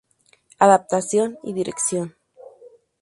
Adaptación y dirección.